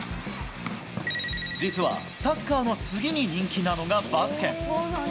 実はサッカーの次に人気なのが、バスケ。